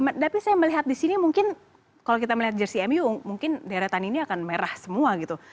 tapi saya melihat di sini mungkin kalau kita melihat jersi mu mungkin deretan ini akan merah semua gitu